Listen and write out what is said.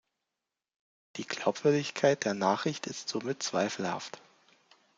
Die Glaubwürdigkeit der Nachricht ist somit zweifelhaft.